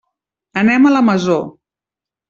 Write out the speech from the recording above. Anem a la Masó.